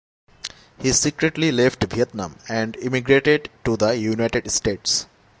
He secretly left Vietnam and immigrated to the United States.